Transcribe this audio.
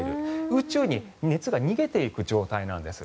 宇宙に熱が逃げていく状態なんです。